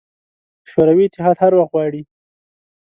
شوروي اتحاد هر وخت غواړي.